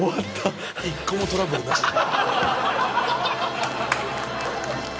１個もトラブルなしで。